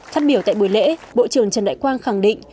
phát biểu tại buổi lễ bộ trưởng trần đại quang khẳng định